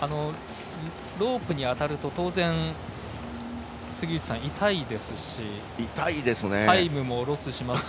ロープに当たると当然、杉内さん、痛いですしタイムもロスしますし。